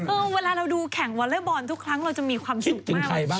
เออเวลาเราดูแข่งวอลเลอร์บอร์นทุกครั้งเราจะมีความสุขมากเชียงอัพมากเลย